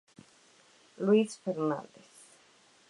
Luís Fernández.